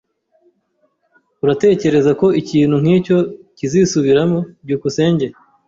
Uratekereza ko ikintu nkicyo kizisubiramo? byukusenge